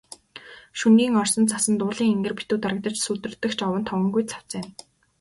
Шөнийн орсон цасанд уулын энгэр битүү дарагдаж, сүүдэртэх ч овон товонгүй цавцайна.